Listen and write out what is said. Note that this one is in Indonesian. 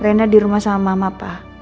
rena dirumah sama mama pak